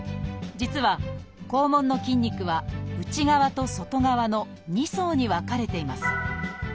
実は肛門の筋肉は内側と外側の２層に分かれています。